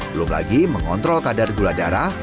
belum lagi mengontrol kadar gula darah